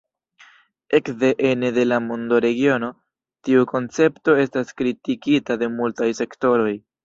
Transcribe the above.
Ekde ene de la mondoregiono, tiu koncepto estas kritikita de multaj sektoroj.